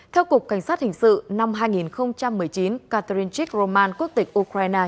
theo cục cảnh sát hình sự năm hai nghìn một mươi chín catherine chick roman quốc tịch ukraine